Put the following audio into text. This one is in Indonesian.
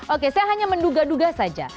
oke saya hanya menduga duga saja